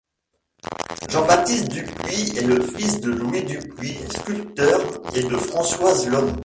Jean-Baptiste Dupuis est le fils de Louis Dupuis, sculpteur, et de Françoise Lhomme.